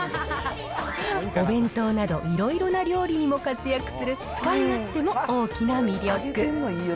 お弁当など、いろいろな料理にも活躍する、使い勝手も大きな魅力。